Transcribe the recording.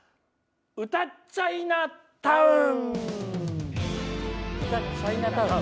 「歌っちゃいなタウン！」